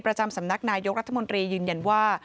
ประจำสำนักนายกรัฐมนตรียืนยันว่า